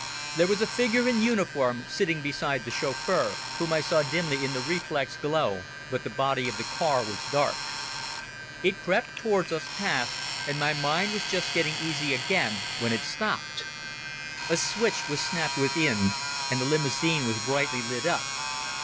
There was a figure in uniform sitting beside the chauffeur, whom I saw dimly in the reflex glow, but the body of the car was dark. It crept towards us, passed, and my mind was just getting easy again when it stopped. A switch was snapped within, and the limousine was brightly lit up.